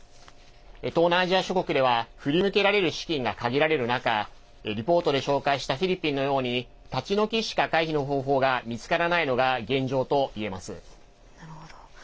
東南アジア諸国では振り向けられる資金が限られる中リポートで紹介したフィリピンのように立ち退きしか回避の方法が見つからないのが現状といえます。